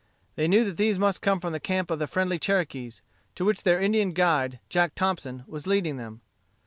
They knew that these must come from the camp of the friendly Cherokees, to which their Indian guide, Jack Thompson, was leading them.